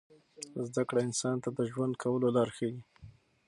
زده کړه انسان ته د ژوند کولو لار ښیي.